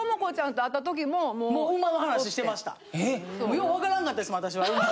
よう分からんかったですもん